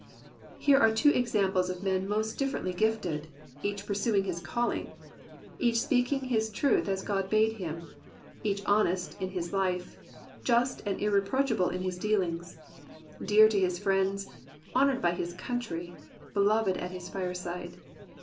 Here are two examples of men most differently gifted — each pursuing his calling; each sj)eaking his truth as God bade him; each honest in his life; just and irreproachable in his deaUngs; dear to his friends; honoured by his country; be loved at his fireside.